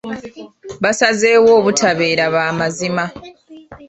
Basazeewo obutabeera baamazima.